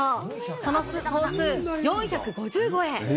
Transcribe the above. その総数４５０超え。